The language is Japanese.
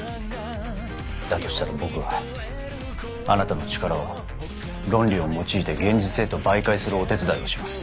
だとしたら僕はあなたの力を論理を用いて現実へと媒介するお手伝いをします。